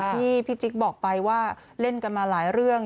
ที่พี่จิ๊กบอกไปว่าเล่นกันมาหลายเรื่อง